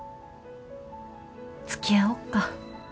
つきあおっか。